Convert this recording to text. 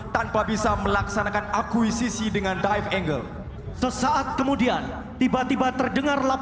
tanpa bisa dihancurkan dengan kecepatan yang berbeda